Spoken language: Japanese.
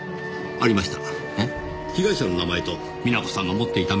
ありました。